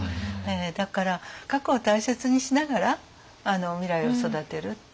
だから過去を大切にしながら未来を育てるっていう。